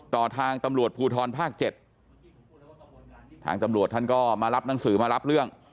ทางตำรวจภูทรภาค๗ทางตำรวจท่านก็มารับหนังสือมารับเรื่อง